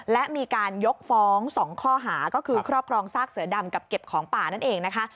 และมีการยกฟ้อง๒ข้อหาก็คือครอบครองซากเสือดำกับเก็บของป่านั่นเองนะคะ